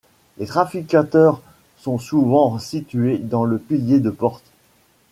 Les Trafficateurs sont souvent situés dans le pilier de portes.